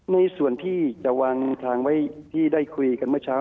ในส่วนที่จะวางทางไว้ที่ได้คุยกันเมื่อเช้า